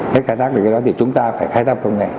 hết khai tác thì chúng ta phải khai tác công nghệ